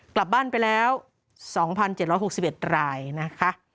กลับบ้านไปแล้ว๒๗๖๑รายนะคะ